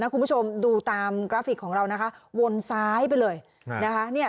คุณผู้ชมดูตามกราฟิกของเรานะคะวนซ้ายไปเลยนะคะ